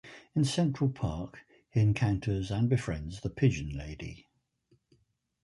In Central Park, he encounters and befriends the pigeon lady.